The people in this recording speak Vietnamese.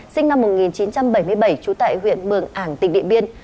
sinh năm một nghìn chín trăm bảy mươi bảy trú tại huyện mường ảng tỉnh điện biên